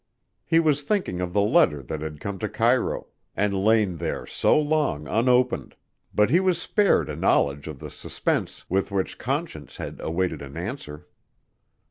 He was thinking of the letter that had come to Cairo and lain there so long unopened, but he was spared a knowledge of the suspense with which Conscience had awaited an answer.